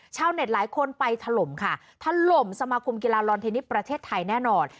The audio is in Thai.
ชาวเน็ตหลายคนไปถล่มค่ะถล่มสมาคมกีฬาลอนเทนนิสประเทศไทยแน่นอน